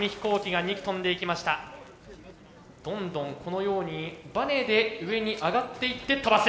どんどんこのようにバネで上にあがっていって飛ばす。